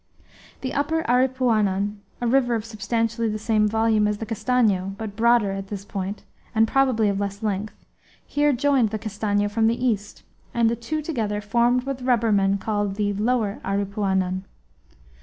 The upper Aripuanan, a river of substantially the same volume as the Castanho, but broader at this point, and probably of less length, here joined the Castanho from the east, and the two together formed what the rubbermen called the lower Aripuanan.